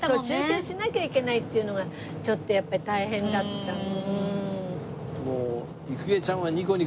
中継しなきゃいけないっていうのがちょっとやっぱり大変だった。